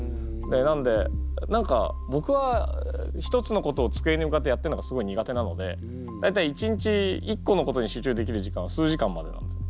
なんで何か僕は一つのことを机に向かってやってるのがすごい苦手なので大体一日一個のことに集中できる時間は数時間までなんですよ。